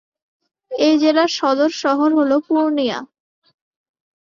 এই জেলার সদর শহর হল পূর্ণিয়া।